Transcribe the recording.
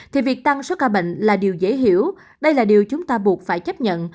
thì việc tăng số ca bệnh là điều dễ hiểu đây là điều chúng ta buộc phải chấp nhận